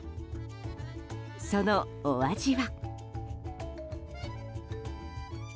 そのお味は？